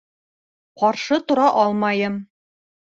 Ҡаршы тора алмайым.